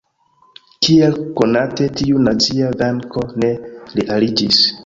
Kiel konate, tiu nazia venko ne realiĝis.